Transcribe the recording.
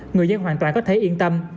người dân hoàn toàn có thể yên tâm